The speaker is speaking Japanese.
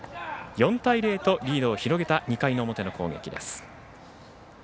４対０とリードを広げた２回の表の攻撃でした。